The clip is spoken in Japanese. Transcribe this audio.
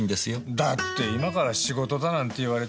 だって今から仕事だなんて言われて。